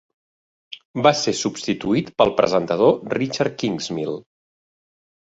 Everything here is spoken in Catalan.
Va ser substituït pel presentador Richard Kingsmill.